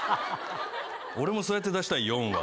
俺もそうやって出したい４は。